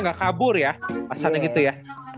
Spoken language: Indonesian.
nggak kabur ya pesannya gitu ya